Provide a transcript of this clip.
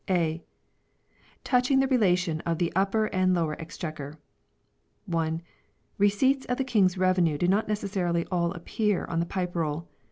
A. Touching the Relation of the Upper and Lower Exchequer. (i) Receipts of the King's Revenue do not necessarily all appear on the Pipe Roll.